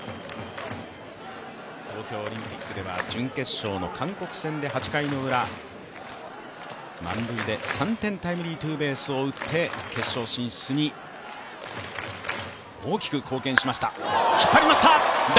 東京オリンピックでは準決勝の韓国戦で８回のウラ、満塁で３点タイムリーツーベースを打って決勝進出に大きく貢献しました。